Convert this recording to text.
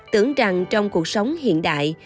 tưởng rằng trong cuộc sống hiện đại